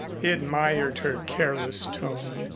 He admired her careless tone.